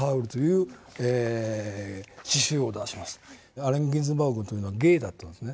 アレン・ギンズバーグというのはゲイだったんですね。